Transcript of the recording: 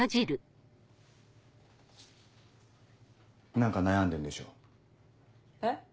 何か悩んでんでしょ？え？